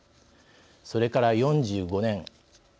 それから４５年。